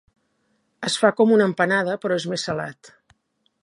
Es fa com una empanada, però és més salat.